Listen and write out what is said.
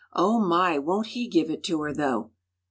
Oh, my! won't he give it to her, though!"